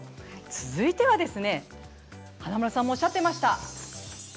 続いてはですね華丸さんもおっしゃってました